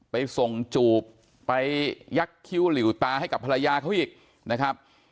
ไปส่งจูบไปยักษ์คิ้วหลิวตาให้กับภรรยาเขาอีกนะครับ